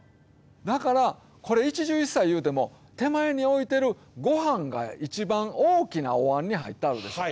だからこれ一汁一菜いうても手前に置いてるご飯が一番大きなお椀に入ってはるでしょ。